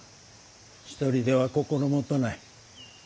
１人では心もとない。